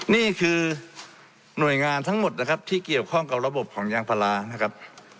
นี่คือหน่วยงานทั้งหมดนะครับที่เกี่ยวข้องกับระบบของยางพารานะครับ